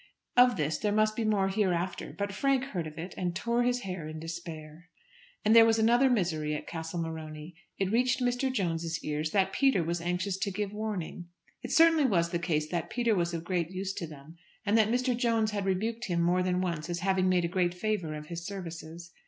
Of this there must be more hereafter; but Frank heard of it, and tore his hair in despair. And there was another misery at Castle Morony. It reached Mr. Jones's ears that Peter was anxious to give warning. It certainly was the case that Peter was of great use to them, and that Mr. Jones had rebuked him more than once as having made a great favour of his services.